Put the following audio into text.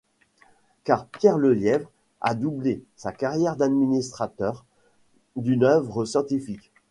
Car Pierre Lelièvre a doublé sa carrière d'administrateur d'une œuvre scientifique.